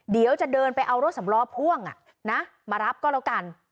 เดี๋ยวจะเดินไปเอารถสำล้อพ่วงมารับก็แล้วกัน